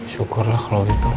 syukurlah kalau gitu